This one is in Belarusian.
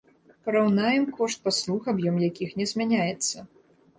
Параўнаем кошт паслуг, аб'ём якіх не змяняецца.